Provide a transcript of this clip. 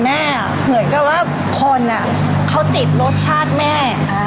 เหมือนกับว่าคนเขาติดรสชาติแม่